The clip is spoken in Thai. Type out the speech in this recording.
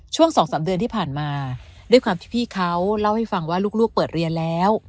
ช่วง๒๓เดือนที่ผ่านมาด้วยความที่พี่เขาเล่าให้ฟังว่าลูกเปิดเรียนแล้ว